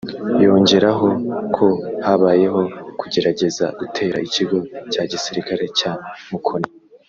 yongeraho ko habayeho kugerageza gutera ikigo cya gisirikare cya Mukoni